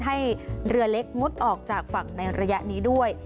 ให้เรือเล็กงดออกจากฝั่งในระยะนี้ด้วย